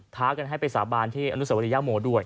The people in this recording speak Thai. ้ากันให้ไปสาบานที่อนุสวรียโมด้วย